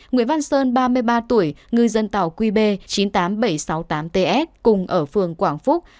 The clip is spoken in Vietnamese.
nguyễn văn sơn ba mươi ba tuổi ngư dân tàu qb chín mươi tám nghìn bảy trăm sáu mươi tám ts cùng ở phường quảng phúc